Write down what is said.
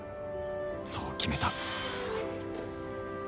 そう決めた